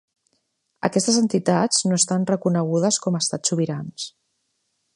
Aquestes entitats no estan reconegudes com a estats sobirans.